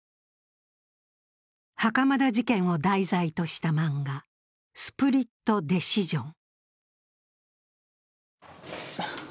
袴田事件を題材とした漫画「スプリット・デシジョン」。